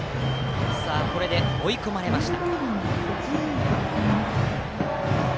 これで追い込まれました。